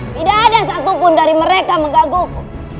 tidak ada satupun dari mereka menggangguku